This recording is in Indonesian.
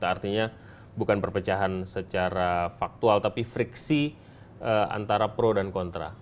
artinya bukan perpecahan secara faktual tapi friksi antara pro dan kontra